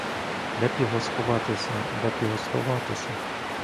Де б його сховатися, де б його сховатися?